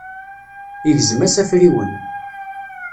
Igzem-as afriwen.